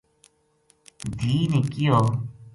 دھی نے کہیو